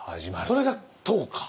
それが唐か。